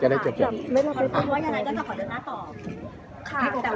ใครพี่จะจัดสินได้